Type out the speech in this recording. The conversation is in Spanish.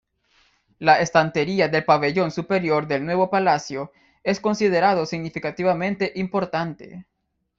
La estantería del pabellón superior del Nuevo Palacio es considerado significativamente importante.